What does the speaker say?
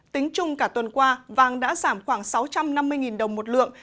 tính chung cả tuần qua vàng đã giảm khoảng sáu trăm năm mươi đồng một lượng